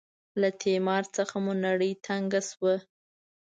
له تیمار څخه مو نړۍ تنګه شوه.